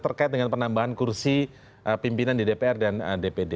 terkait dengan penambahan kursi pimpinan di dpr dan dpd